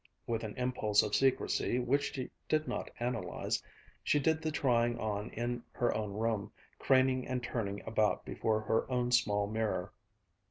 With an impulse of secrecy which she did not analyze, she did the trying on in her own room, craning and turning about before her own small mirror.